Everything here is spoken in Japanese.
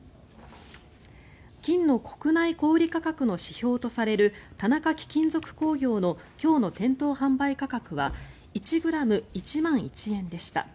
金の国内小売価格の指標とされる田中貴金属工業の今日の店頭販売価格は１ｇ＝１万１円でした。